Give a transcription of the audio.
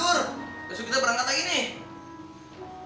iya sudah tidur langsung kita berangkat lagi nih